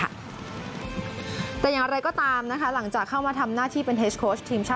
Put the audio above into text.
ที่มาส่งในตำแหน่งนี้ไว้ใช้งานค่ะ